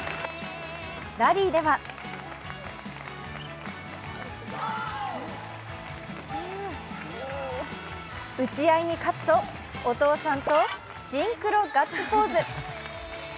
ラリーでは打ち合いに勝つと、お父さんとシンクロガッツポーズ。